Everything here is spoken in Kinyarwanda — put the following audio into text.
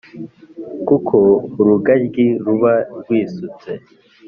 Kuko urugaryi ruba rwisutse